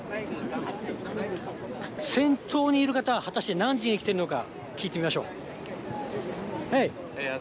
先頭にいる方は、果たして何時に来ているのか、聞いてみましょう。